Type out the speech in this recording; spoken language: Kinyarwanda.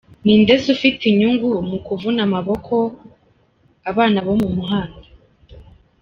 Ninde se ufite inyungu mu kuvuna amaboko abana bo mu muhanda?